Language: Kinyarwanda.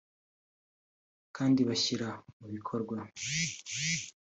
kandi bashyira mu bikorwa